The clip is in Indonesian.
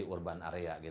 urban apalagi kan